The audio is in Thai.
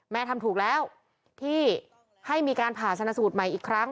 ทำถูกแล้วที่ให้มีการผ่าชนะสูตรใหม่อีกครั้ง